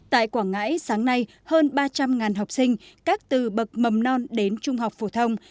tại quảng ngãi sáng nay hơn ba trăm linh học sinh các từ bậc mầm non đến trung học phổ thông